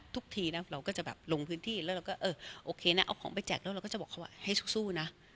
ทีนะเราก็จะแบบลงพื้นที่แล้วเราก็เออโอเคนะเอาของไปแจกแล้วเราก็จะบอกเขาว่าให้สู้นะ